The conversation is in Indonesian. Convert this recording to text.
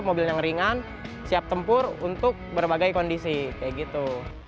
mobil yang ringan siap tempur untuk berbagai kondisi kayak gitu